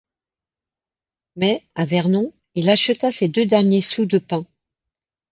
Mais, à Vernon, il acheta ses deux derniers sous de pain.